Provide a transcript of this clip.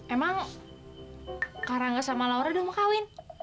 emang kak rangga sama laura udah mau kawin